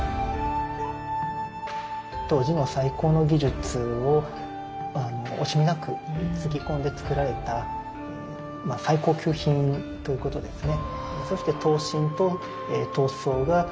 当時の最高の技術を惜しみなくつぎ込んでつくられた最高級品ということですね。